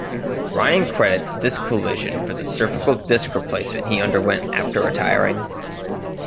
Ryan credits this collision for the cervical disc replacement he underwent after retiring.